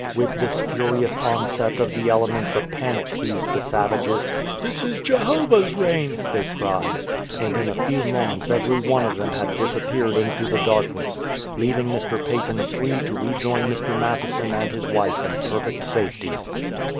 With this furious onset of the elements a panic seized the sav ages. "This is Jehovah's rain,"'"' they cried. And in a few moments every one of them had disappeared into the darkness, leaving Mr. Paton free to rejoin Mr. Mathieson and his wife in perfect safety.